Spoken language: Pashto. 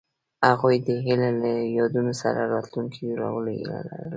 هغوی د هیلې له یادونو سره راتلونکی جوړولو هیله لرله.